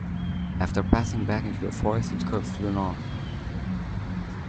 After passing back into the forest, it curves to the north.